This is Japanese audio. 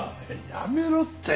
やめろって。